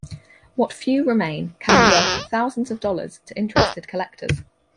What few remain can be worth thousands of dollars to interested collectors.